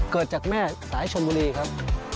เกิดจากแม่สายชนบุรีครับ